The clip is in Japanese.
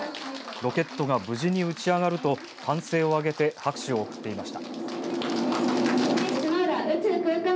ロケットが無事に打ち上がると歓声をあげて拍手を送っていました。